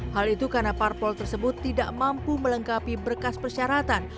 hal itu karena parpol tersebut tidak mampu melengkapi berkas persyaratan